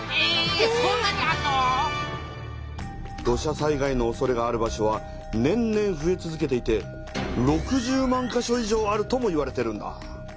土砂災害のおそれがある場所は年々ふえ続けていて６０万か所以上あるともいわれてるんだ。